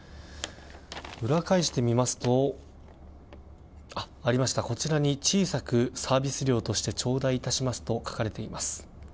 裏返してみますとこちらに小さくサービス料としてちょうだいいたしますと書かれてあります。